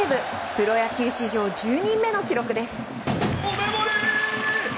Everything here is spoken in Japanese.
プロ野球史上１０人目の記録です。